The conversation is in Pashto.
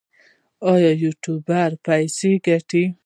آیا یوټیوبران پیسې ګټي؟